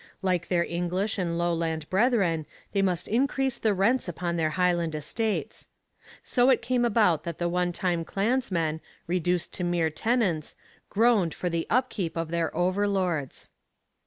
Like their English and Lowland brethren, they must increase the rents upon their Highland estates. So it came about that the one time clansmen, reduced to mere tenants, groaned for the upkeep of their overlords.